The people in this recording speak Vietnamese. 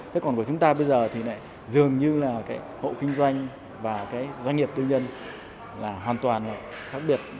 thế còn của chúng ta bây giờ thì dường như là hộ kinh doanh và doanh nghiệp tư nhân là hoàn toàn khác biệt